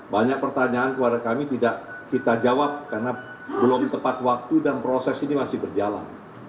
banyak pertanyaan kepada kami tidak kita jawab karena belum tepat waktu dan proses ini masih berjalan